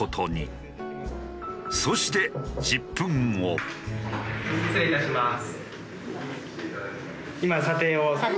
そして失礼いたします。